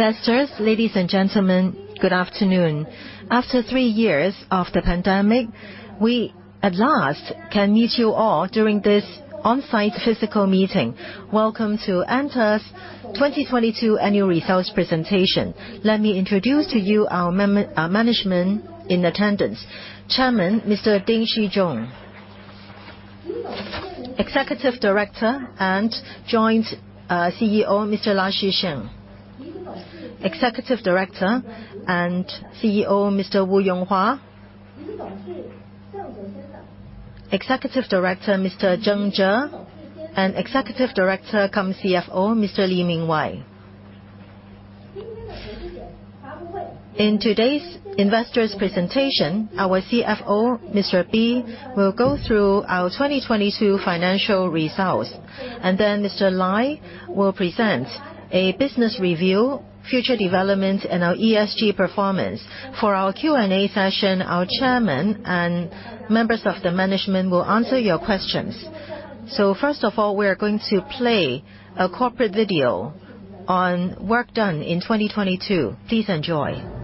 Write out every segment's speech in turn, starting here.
Investors, ladies and gentlemen, good afternoon. After three years of the pandemic, we at last can meet you all during this on-site physical meeting. Welcome to ANTA's 2022 annual results presentation. Let me introduce to you our management in attendance. Chairman Mr. Ding Shizhong. Executive Director and Joint CEO, Mr. Lai Shixian, Executive Director and CEO, Mr. Wu Yonghua, Executive Director, Mr. Zheng Jie, and Executive Director and CFO, Mr. Bi Mingwei. In today's investors' presentation, our CFO, Mr. Bi, will go through our 2022 financial results, and then Mr. Lai will present a business review, future development and our ESG performance. For our Q&A session, our chairman and members of the management will answer your questions. First of all, we are going to play a corporate video on work done in 2022. Please enjoy.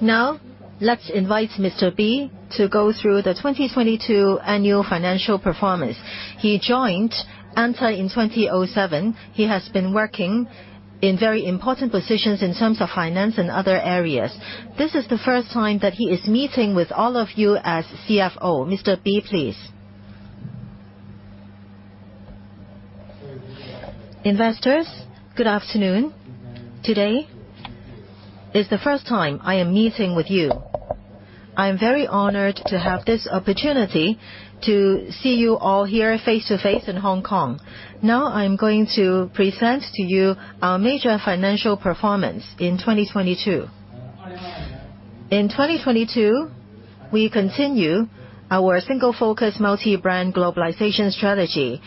Now, let's invite Mr. Bi to go through the 2022 annual financial performance. He joined ANTA in 2007. He has been working in very important positions in terms of finance and other areas. This is the first time that he is meeting with all of you as CFO. Mr. Bi, please. Investors, good afternoon. Today is the first time I am meeting with you. I am very honored to have this opportunity to see you all here face-to-face in Hong Kong. I'm going to present to you our major financial performance in 2022. In 2022, we continue our single-focus multi-brand globalization strategy,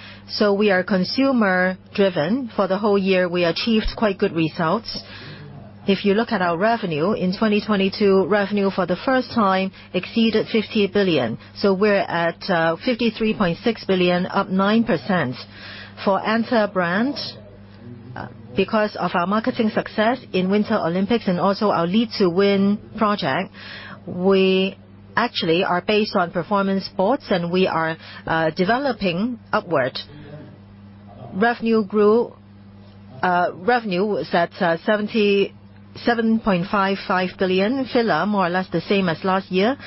we are consumer-driven. For the whole year, we achieved quite good results. If you look at our revenue, in 2022, revenue for the first time exceeded 50 billion, we're at 53.6 billion, up 9%. For ANTA brand, because of our marketing success in Winter Olympics and also our Lead to Win project, we actually are based on performance sports, and we are developing upward. Revenue was at 77.55 billion. FILA, more or less the same as last year,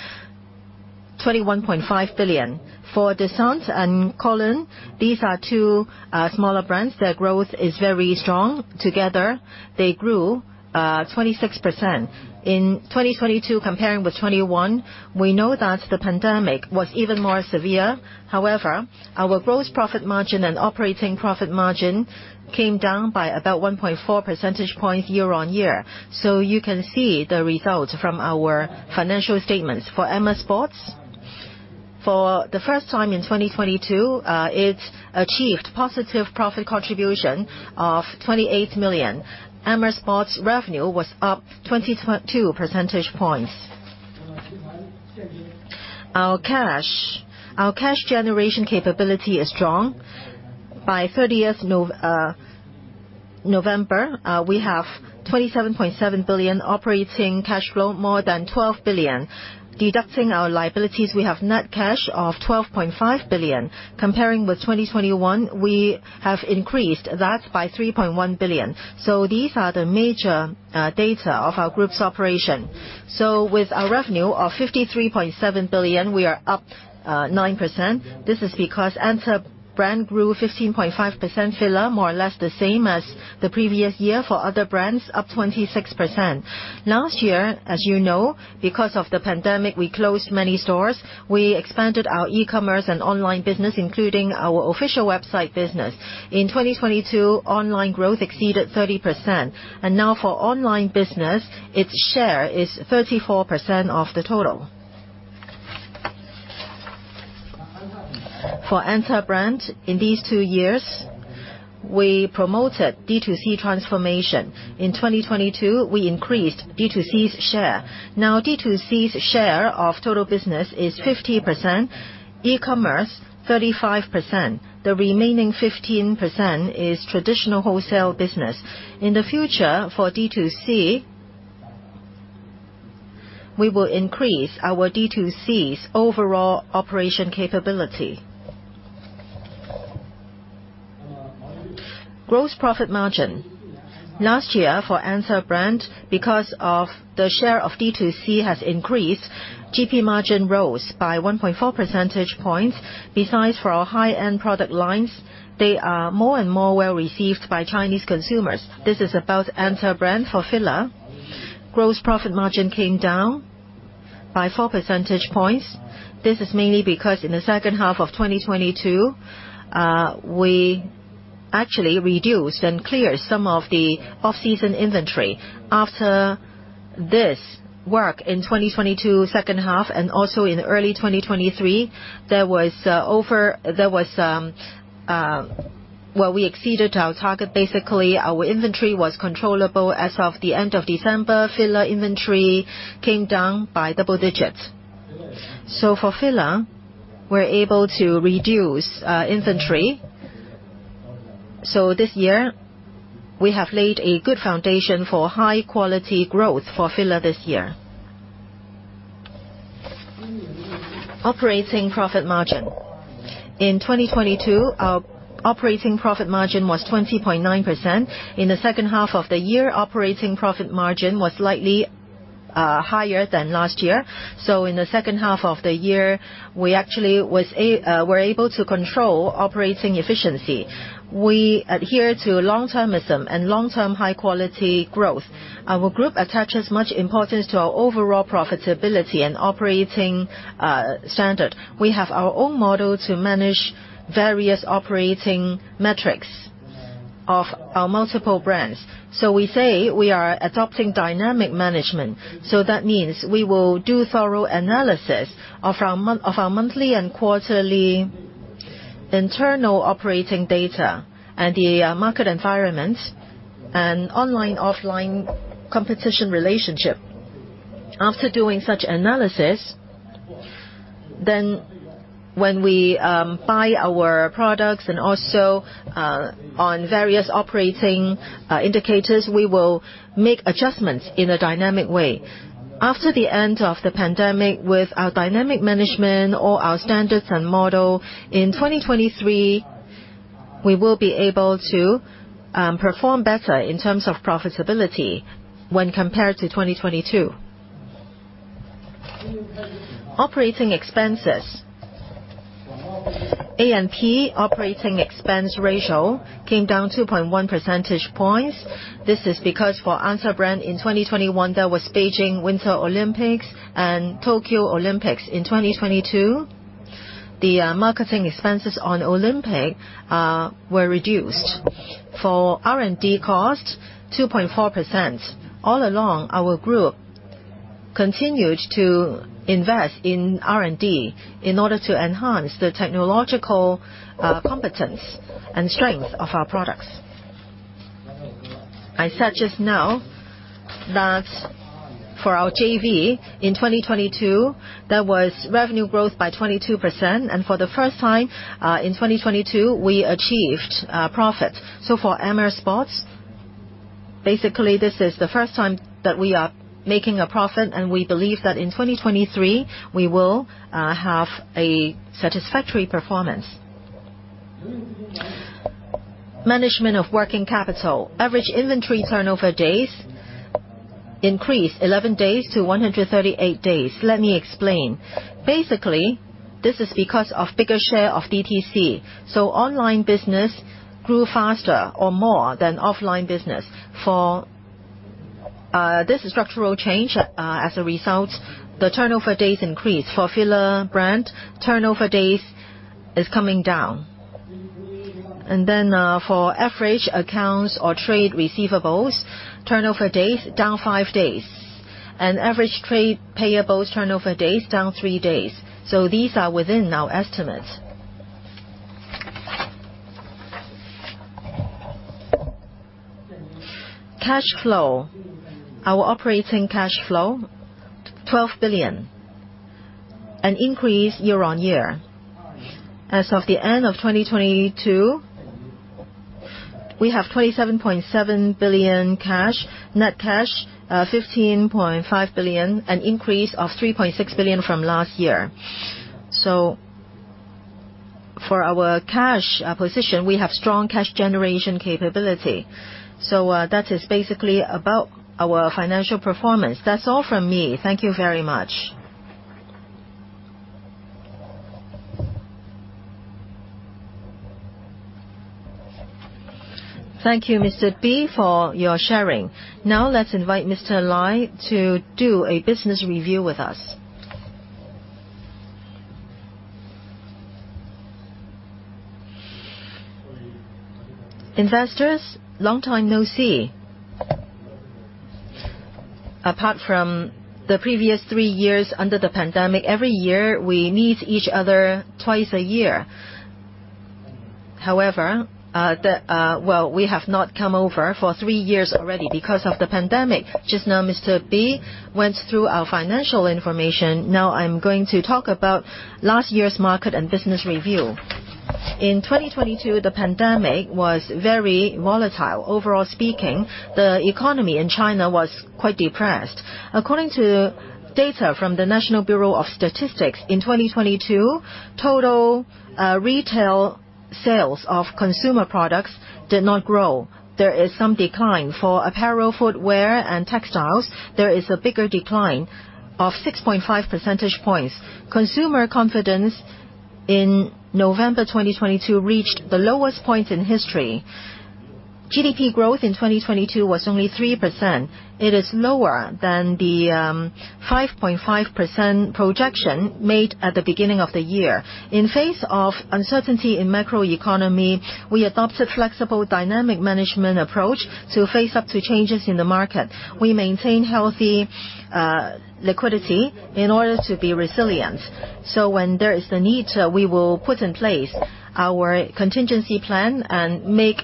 21.5 billion. For DESCENTE and KOLON SPORT, these are two smaller brands. Their growth is very strong. Together, they grew 26%. In 2022 comparing with 2021, we know that the pandemic was even more severe. However, our gross profit margin and operating profit margin came down by about 1.4 percentage points year-on-year. You can see the results from our financial statements. For the first time in 2022, it achieved positive profit contribution of 28 million. Amer Sports revenue was up 22 percentage points. Our cash. Our cash generation capability is strong. By 30th November, we have 27.7 billion operating cash flow, more than 12 billion. Deducting our liabilities, we have net cash of 12.5 billion. Comparing with 2021, we have increased that by 3.1 billion. These are the major data of our group's operation. With our revenue of 53.7 billion, we are up 9%. This is because ANTA Brand grew 15.5%. FILA, more or less the same as the previous year. For other brands, up 26%. Last year, as you know, because of the pandemic, we closed many stores. We expanded our e-commerce and online business, including our official website business. In 2022, online growth exceeded 30%. Now for online business, its share is 34% of the total. For ANTA Brand, in these 2 years, we promoted D2C transformation. In 2022, we increased D2C's share. Now, D2C's share of total business is 50%, e-commerce 35%. The remaining 15% is traditional wholesale business. In the future, for D2C, we will increase our D2C's overall operation capability. Gross profit margin. Last year for ANTA Brand, because of the share of D2C has increased, GP margin rose by 1.4 percentage points. For our high-end product lines, they are more and more well-received by Chinese consumers. This is about ANTA Brand. For FILA, gross profit margin came down by 4 percentage points. This is mainly because in the second half of 2022, we actually reduced and cleared some of the off-season inventory. After this work in 2022 second half and also in early 2023, there was. There was, Well, we exceeded our target. Basically, our inventory was controllable. As of the end of December, FILA inventory came down by double digits. For FILA, we're able to reduce inventory. This year, we have laid a good foundation for high-quality growth for FILA this year. Operating profit margin. In 2022, our operating profit margin was 20.9%. In the second half of the year, operating profit margin was slightly higher than last year. In the second half of the year, we actually were able to control operating efficiency. We adhere to long-termism and long-term high-quality growth. Our group attaches much importance to our overall profitability and operating standard. We have our own model to manage various operating metrics of our multiple brands. We say we are adopting dynamic management. That means we will do thorough analysis of our monthly and quarterly internal operating data and the market environment and online, offline competition relationship. After doing such analysis, then when we buy our products and also on various operating indicators, we will make adjustments in a dynamic way. After the end of the pandemic, with our dynamic management or our standards and model, in 2023, we will be able to perform better in terms of profitability when compared to 2022. Operating expenses. A&P operating expense ratio came down 2.1 percentage points. This is because for ANTA Brand in 2021, there was Beijing Winter Olympics and Tokyo Olympics. In 2022, the marketing expenses on Olympic were reduced. For R&D costs, 2.4%. All along, our group continued to invest in R&D in order to enhance the technological competence and strength of our products. I said just now that for our JV in 2022, there was revenue growth by 22%. For the first time, in 2022, we achieved profit. For Amer Sports, basically, this is the first time that we are making a profit. We believe that in 2023, we will have a satisfactory performance. Management of working capital. Average inventory turnover days increased 11 days to 138 days. Let me explain. Basically, this is because of bigger share of DTC. Online business grew faster or more than offline business. This structural change, as a result, the turnover days increased. For FILA brand, turnover days is coming down. For average accounts or trade receivables, turnover days down 5 days. Average trade payables turnover days down 3 days. These are within our estimates. Cash flow. Our operating cash flow, 12 billion. An increase year on year. As of the end of 2022, we have 27.7 billion cash. Net cash, 15.5 billion. An increase of 3.6 billion from last year. For our cash position, we have strong cash generation capability. That is basically about our financial performance. That's all from me. Thank you very much. Thank you, Mr. Bi, for your sharing. Now let's invite Mr. Lai to do a business review with us. Investors, long time no see. Apart from the previous three years under the pandemic, every year we meet each other twice a year. Well, we have not come over for three years already because of the pandemic. Just now, Mr Bi went through our financial information. I'm going to talk about last year's market and business review. In 2022, the pandemic was very volatile. Overall speaking, the economy in China was quite depressed. According to data from the National Bureau of Statistics, in 2022, total retail sales of consumer products did not grow. There is some decline. For apparel, footwear, and textiles, there is a bigger decline of 6.5 percentage points. Consumer confidence in November 2022 reached the lowest point in history. GDP growth in 2022 was only 3%. It is lower than the 5.5% projection made at the beginning of the year. In face of uncertainty in macroeconomy, we adopted flexible dynamic management approach to face up to changes in the market. We maintain healthy liquidity in order to be resilient. When there is the need, we will put in place our contingency plan and make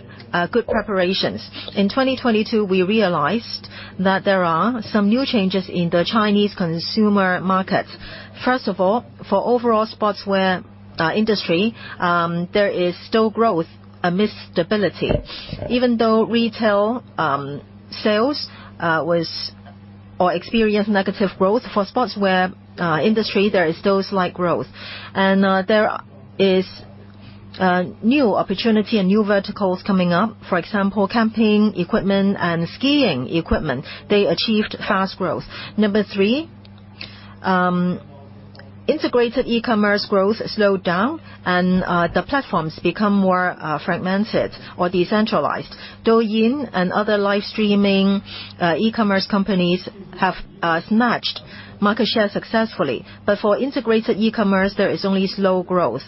good preparations. In 2022, we realized that there are some new changes in the Chinese consumer market. First of all, for overall sportswear industry, there is still growth amidst stability. Even though retail sales experienced negative growth, for sportswear industry, there is still slight growth. There is new opportunity and new verticals coming up. For example, camping equipment and skiing equipment. They achieved fast growth. Number three, integrated e-commerce growth slowed down and the platforms become more fragmented or decentralized. Douyin and other live streaming e-commerce companies have snatched market share successfully. For integrated e-commerce, there is only slow growth.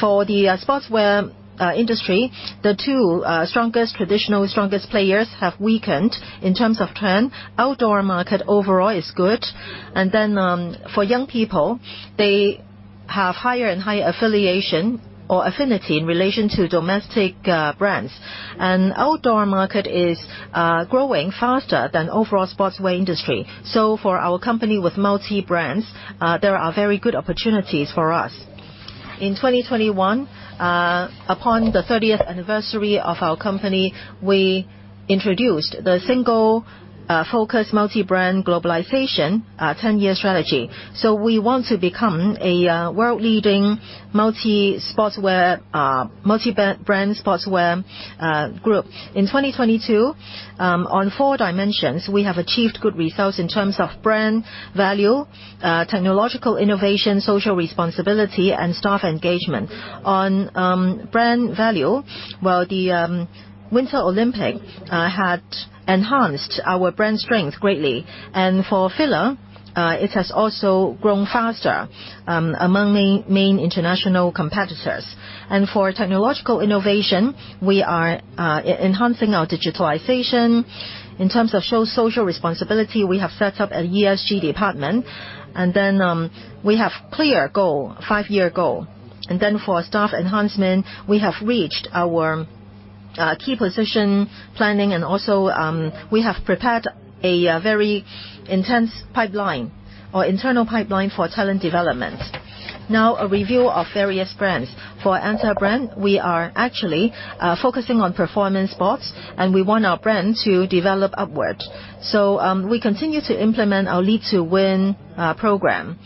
For the sportswear industry, the 2 strongest, traditional strongest players have weakened in terms of trend. Outdoor market overall is good. For young people, they have higher and higher affiliation or affinity in relation to domestic brands. Outdoor market is growing faster than overall sportswear industry. For our company with multi brands, there are very good opportunities for us. In 2021, upon the thirtieth anniversary of our company, we introduced the single focus multi-brand globalization 10-year strategy. We want to become a world-leading multi-brand sportswear group. In 2022, on four dimensions, we have achieved good results in terms of brand value, technological innovation, social responsibility, and staff engagement. Brand value, well, the Winter Olympics had enhanced our brand strength greatly. For FILA, it has also grown faster among the main international competitors. For technological innovation, we are enhancing our digitalization. In terms of social responsibility, we have set up a ESG department, we have clear goal, 5-year goal. For staff enhancement, we have reached our key position planning, also, we have prepared a very intense pipeline or internal pipeline for talent development. Now a review of various brands. For ANTA brand, we are actually focusing on performance sports, and we want our brand to develop upward. We continue to implement our Lead to Win program.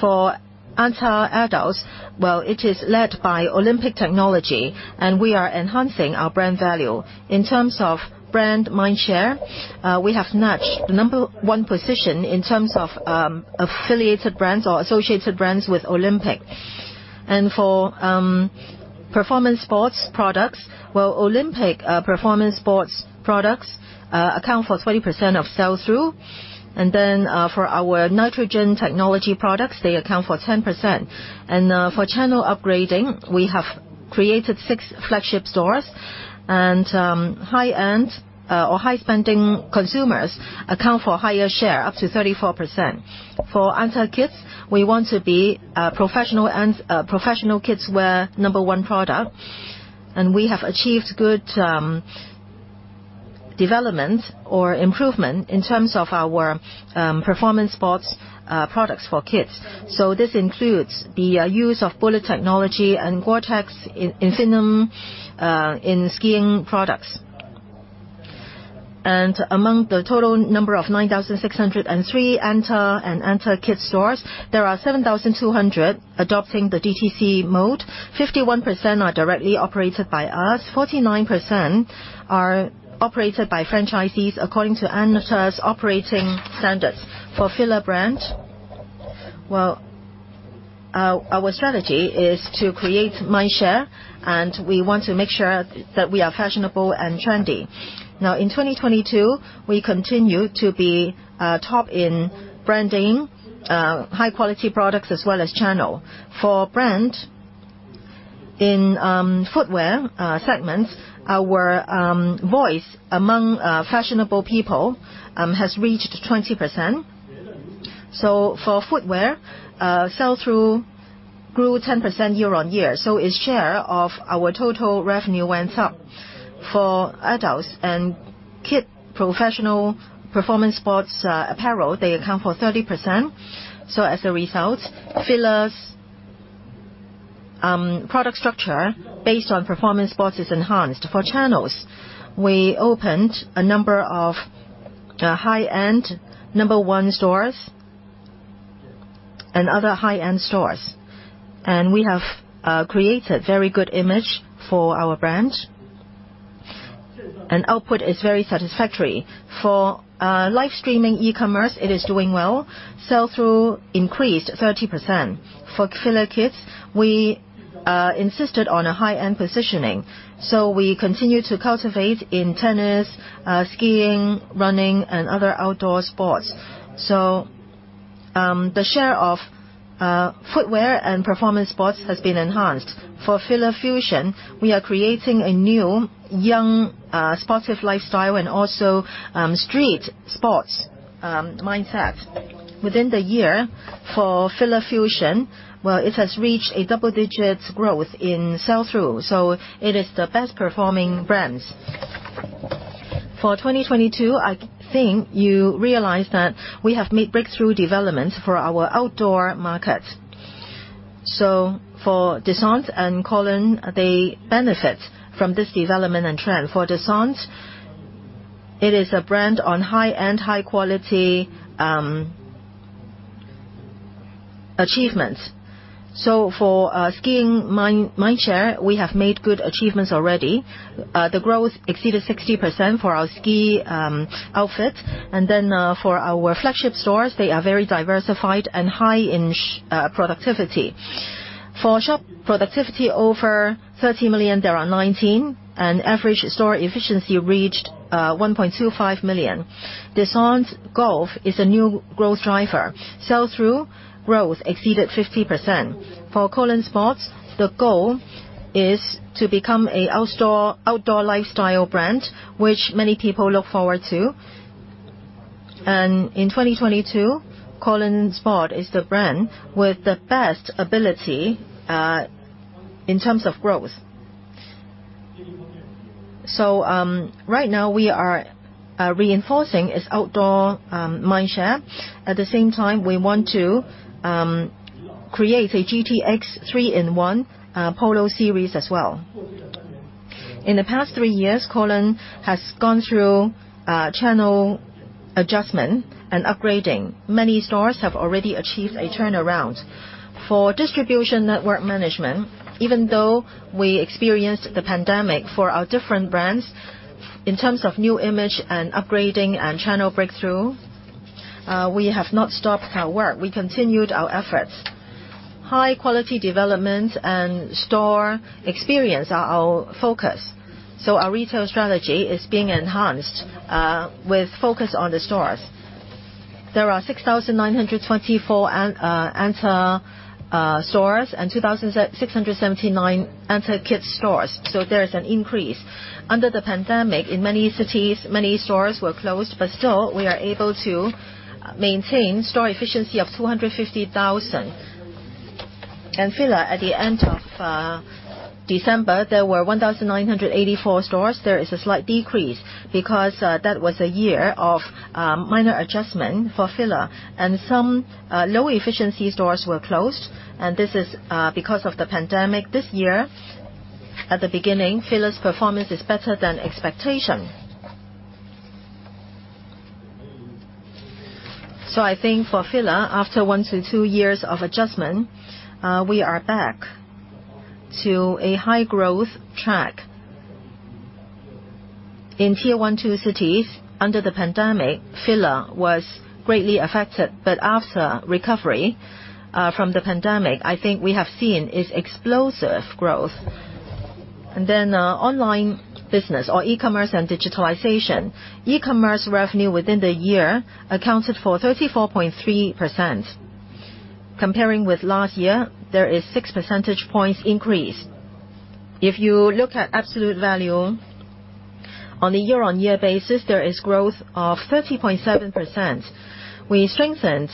For ANTA adults, well, it is led by Olympic Technology, and we are enhancing our brand value. In terms of brand mind share, we have notched number one position in terms of affiliated brands or associated brands with Olympic. For performance sports products, well, Olympic performance sports products account for 30% of sell-through. For our Nitrogen Technology products, they account for 10%. For channel upgrading, we have created six flagship stores and high-end, or high-spending consumers account for higher share up to 34%. For ANTA Kids, we want to be a professional and professional kidswear number 1 product, and we have achieved good development or improvement in terms of our performance sports products for kids. This includes the use of bullet technology and GORE-TEX INFINIUM in skiing products. Among the total number of 9,603 ANTA and ANTA Kids stores, there are 7,200 adopting the DTC mode. 51% are directly operated by us. 49% are operated by franchisees according to ANTA's operating standards. For FILA brand, well, our strategy is to create mindshare, and we want to make sure that we are fashionable and trendy. Now, in 2022, we continue to be top in branding, high-quality products as well as channel. For brand in footwear segment, our voice among fashionable people has reached 20%. For footwear, sell-through grew 10% year-on-year, so its share of our total revenue went up. For adults and kid professional performance sports apparel, they account for 30%. as a result, FILA's product structure based on performance sports is enhanced. For channels, we opened a number of high-end number one stores and other high-end stores. we have created very good image for our brand, and output is very satisfactory. For live streaming e-commerce, it is doing well. Sell-through increased 30%. For FILA KIDS, we insisted on a high-end positioning, so we continue to cultivate in tennis, skiing, running and other outdoor sports. the share of footwear and performance sports has been enhanced. For FILA FUSION, we are creating a new young, sportive lifestyle and also, street sports, mindset. Within the year, for FILA FUSION, well, it has reached a double-digit growth in sell-through. It is the best performing brands. For 2022, I think you realize that we have made breakthrough developments for our outdoor market. For DESCENTE and KOLON SPORT, they benefit from this development and trend. For DESCENTE, it is a brand on high-end, high-quality achievements. For skiing mindshare, we have made good achievements already. The growth exceeded 60% for our ski outfit. For our flagship stores, they are very diversified and high in productivity. For shop productivity over 30 million, there are 19. Average store efficiency reached 1.25 million. DESCENTE Golf is a new growth driver. Sell-through growth exceeded 50%. For KOLON SPORT, the goal is to become a outdoor lifestyle brand which many people look forward to. In 2022, KOLON SPORT is the brand with the best ability in terms of growth. Right now we are reinforcing its outdoor mindshare. At the same time, we want to create a GTX 3-in-1 polo series as well. In the past three years, KOLON has gone through channel adjustment and upgrading. Many stores have already achieved a turnaround. For distribution network management, even though we experienced the pandemic for our different brands, in terms of new image and upgrading and channel breakthrough, we have not stopped our work. We continued our efforts. High-quality development and store experience are our focus, so our retail strategy is being enhanced with focus on the stores. There are 6,924 ANTA stores and 2,679 ANTA Kids stores. There is an increase. Under the pandemic, in many cities, many stores were closed, but still we are able to maintain store efficiency of 250,000. FILA, at the end of December, there were 1,984 stores. There is a slight decrease because that was a year of minor adjustment for FILA, and some low-efficiency stores were closed, and this is because of the pandemic. This year, at the beginning, FILA's performance is better than expectation. I think for FILA, after 1-2 years of adjustment, we are back to a high-growth track. In tier one, two cities under the pandemic, FILA was greatly affected. After recovery from the pandemic, I think we have seen its explosive growth. Online business or e-commerce and digitalization. E-commerce revenue within the year accounted for 34.3%. Comparing with last year, there is 6 percentage points increase. If you look at absolute value on a year-on-year basis, there is growth of 30.7%. We strengthened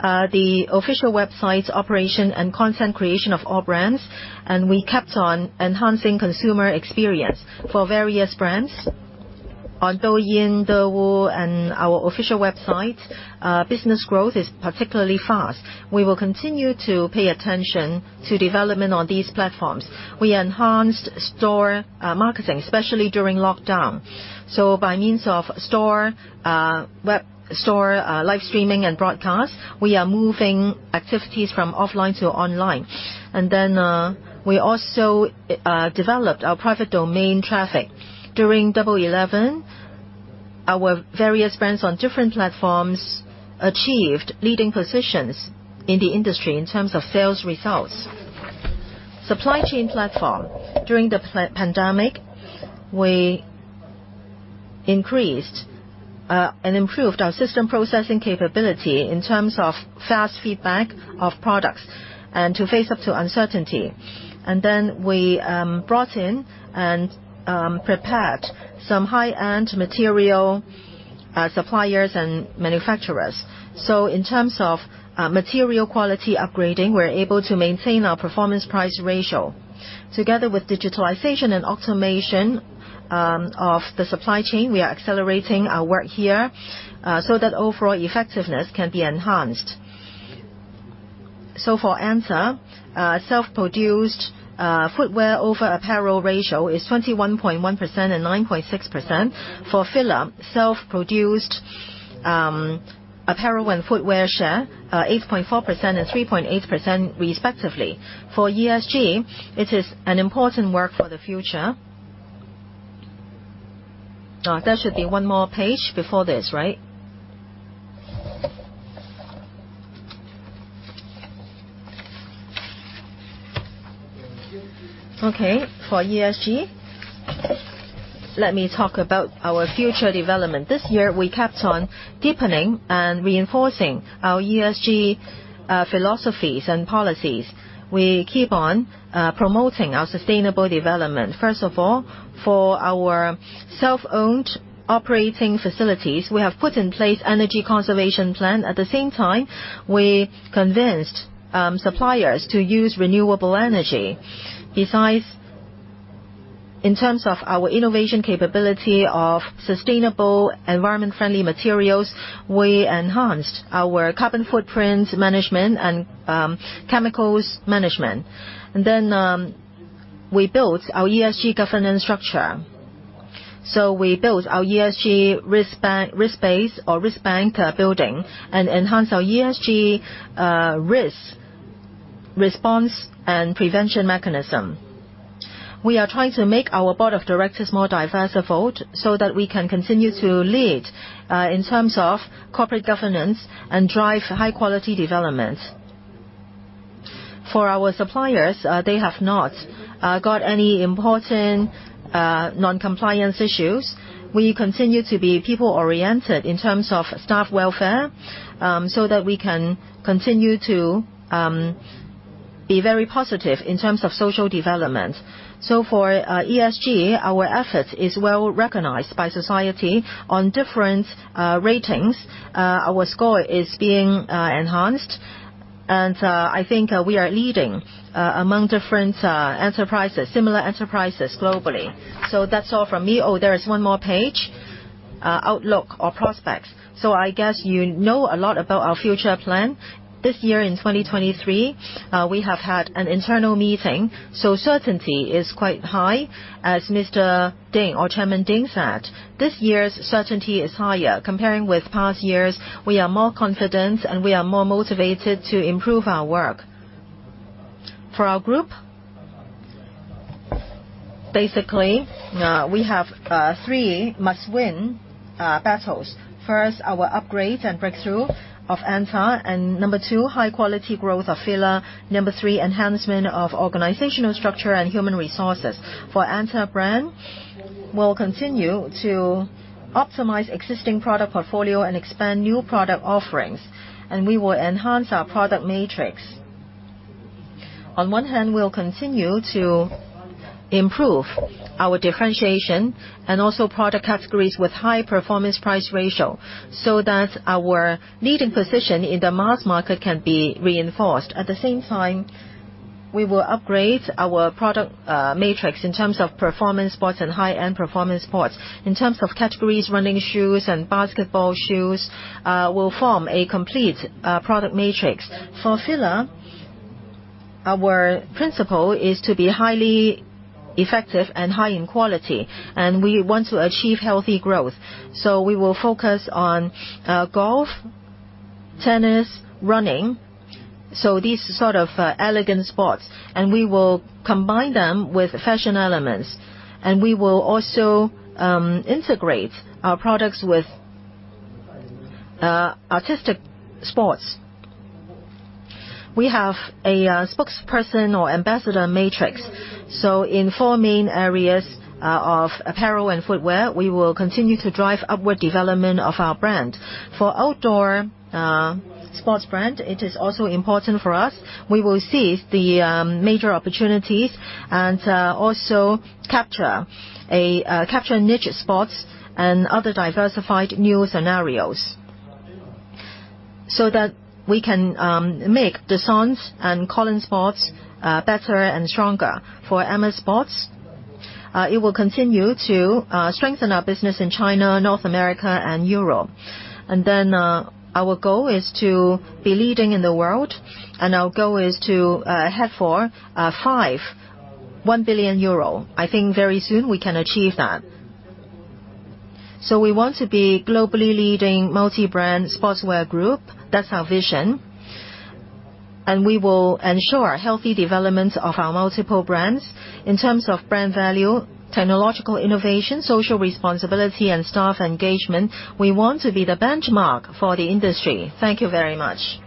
the official website's operation and content creation of all brands, and we kept on enhancing consumer experience for various brands on Douyin, Douluo, and our official website, business growth is particularly fast. We will continue to pay attention to development on these platforms. We enhanced store marketing, especially during lockdown. By means of store, web store, live streaming and broadcast, we are moving activities from offline to online. We also developed our private domain traffic. During Double 11, our various brands on different platforms achieved leading positions in the industry in terms of sales results. Supply chain platform. During the pandemic, we increased and improved our system processing capability in terms of fast feedback of products and to face up to uncertainty. We brought in and prepared some high-end material suppliers and manufacturers. In terms of material quality upgrading, we're able to maintain our performance price ratio. Together with digitalization and automation of the supply chain, we are accelerating our work here so that overall effectiveness can be enhanced. For ANTA, self-produced footwear over apparel ratio is 21.1% and 9.6%. For FILA, self-produced apparel and footwear share, 8.4% and 3.8% respectively. For ESG, it is an important work for the future. There should be one more page before this, right? Okay, for ESG. Let me talk about our future development. This year we kept on deepening and reinforcing our ESG philosophies and policies. We keep on promoting our sustainable development. First of all, for our self-owned operating facilities, we have put in place energy conservation plan. At the same time, we convinced suppliers to use renewable energy. Besides, in terms of our innovation capability of sustainable environment-friendly materials, we enhanced our carbon footprint management and chemicals management. Then, we built our ESG governance structure. We built our ESG risk base or risk bank building, and enhanced our ESG risk response and prevention mechanism. We are trying to make our board of directors more diversified so that we can continue to lead in terms of corporate governance and drive high-quality development. For our suppliers, they have not got any important non-compliance issues. We continue to be people-oriented in terms of staff welfare, so that we can continue to be very positive in terms of social development. For ESG, our effort is well-recognized by society on different ratings. Our score is being enhanced. I think we are leading among different enterprises, similar enterprises globally. That's all from me. Oh, there is one more page, outlook or prospects. I guess you know a lot about our future plan. This year in 2023, we have had an internal meeting, so certainty is quite high. As Mr. Ding, or Chairman Ding said, this year's certainty is higher. Comparing with past years, we are more confident and we are more motivated to improve our work. For our group, basically, we have three must-win battles. First, our upgrade and breakthrough of ANTA. Number two, high quality growth of FILA. Number three, enhancement of organizational structure and human resources. For ANTA brand, we'll continue to optimize existing product portfolio and expand new product offerings, and we will enhance our product matrix. On one hand, we'll continue to improve our differentiation and also product categories with high performance price ratio so that our leading position in the mass market can be reinforced. At the same time, we will upgrade our product matrix in terms of performance sports and high-end performance sports. In terms of categories, running shoes and basketball shoes will form a complete product matrix. For FILA, our principle is to be highly effective and high in quality, and we want to achieve healthy growth. We will focus on golf, tennis, running, so these sort of elegant sports, and we will combine them with fashion elements. We will also integrate our products with artistic sports. We have a spokesperson or ambassador matrix. In four main areas apparel and footwear, we will continue to drive upward development of our brand. For outdoor sports brand, it is also important for us. We will seize the major opportunities and also capture niche sports and other diversified new scenarios so that we can make DESCENTE and KOLON SPORT better and stronger. For Amer Sports, it will continue to strengthen our business in China, North America, and Europe. Our goal is to be leading in the world, our goal is to head for five one billion euro. I think very soon we can achieve that. We want to be globally leading multi-brand sportswear group. That's our vision. We will ensure healthy development of our multiple brands. In terms of brand value, technological innovation, social responsibility, and staff engagement, we want to be the benchmark for the industry. Thank you very much.